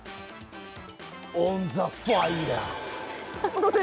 オン・ザ・ファイアー。